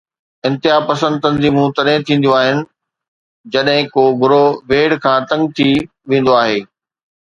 انتهاپسند تنظيمون تڏهن ٿينديون آهن جڏهن ڪو گروهه ويڙهه کان تنگ ٿي ويندو آهي.